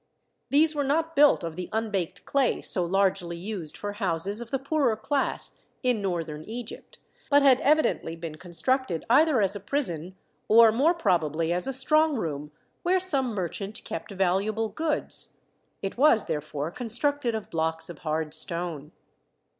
These were not built of the unbaked clay so largely used for houses of the poorer class in Northern Egypt, but had evidently been constructed either as a prison, or more probably as a strong room where some merchant kept valuable goods. It was therefore constructed of blocks of hard stone.